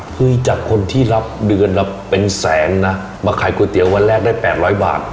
หื้ยจากคนที่รับเดือนแล้วเป็นแสนนะมาขายก๋วยเตี๋ยววันแรกได้แปดร้อยบาท